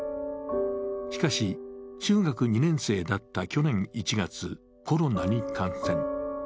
しかし、中学２年生だった去年１月コロナに感染。